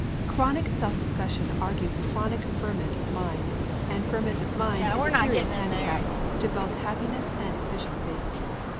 Chronic self discussion argues chronic ferment of mind, and ferment of mind is a serious handicap to both happiness and efficiency.